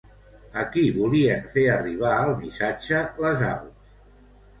A qui volien fer arribar el missatge les aus?